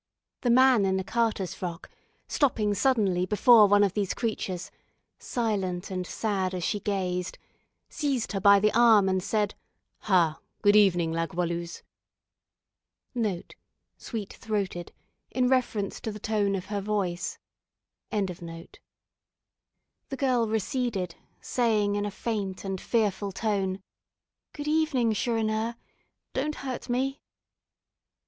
The man in the carter's frock, stopping suddenly before one of these creatures, silent and sad as she gazed, seized her by the arm, and said, "Ha! good evening, La Goualeuse." Sweet throated: in reference to the tone of her voice. The girl receded, saying, in a faint and fearful tone, "Good evening, Chourineur. Don't hurt me."